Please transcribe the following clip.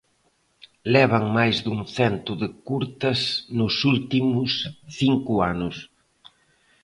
Levan máis dun cento de curtas nos últimos cinco anos.